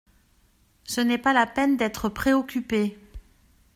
Ce n’est pas la peine d’être préoccupé.